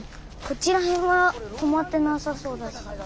こっちら辺はとまってなさそうだし。